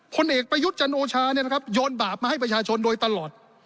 คนเอกไปยุทธ์จันโอชาเนี่ยนะครับโยนบาปมาให้ประชาชนโดยตลอด